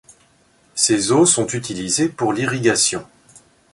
Ses eaux sont utilisées pour l'irrigation.